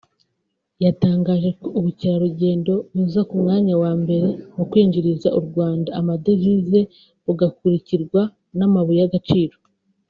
yatangaje ko ubukerarugendo buza ku mwanya wa mbere mu kwinjiriza u Rwanda amadevize bugakurikirwa n’amabuye y’agaciro